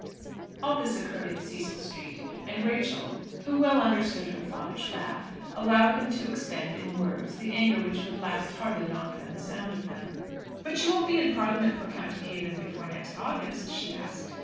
All this occurred in Cecil Street, and Rachel, who well understood her father's wrath, allowed him to expend in words the anger which would last hardly longer than the sound of them. "But you won't be in Parliament for County Cavan before next August?" she asked.